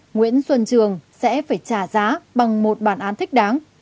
nguyễn xuân trường sẽ phải trả giá bằng một bản án thích đáng